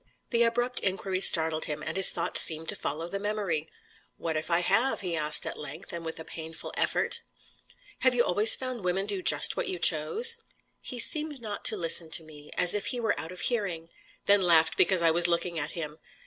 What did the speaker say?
The abrupt inquiry startled him, and his thoughts seemed to follow the memory. "What if I have?" he asked, at length, and with a painful effort. "Have you always found women do just what you chose?" He seemed not to listen to me; as if he were out of hearing: then laughed because I was looking at him.